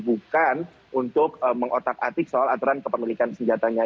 bukan untuk mengotak atik soal aturan kepemilikan senjatanya